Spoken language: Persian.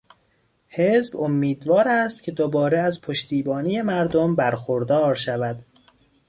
حزب امیدوار است که دوباره از پشتیبانی مردم برخوردار شود.